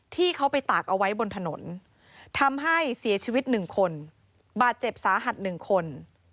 ที่เขาไปตากเอาไว้บนถนนทำให้เสียชีวิต๑คนบาดเจ็บสาหัส๑คน